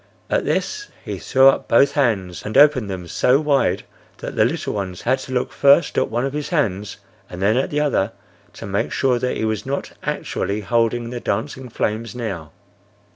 At this, he threw up both hands and opened them so wide that the little ones had to look first at one of his hands and then at the other to make sure that he was not actually holding the dancing flames now.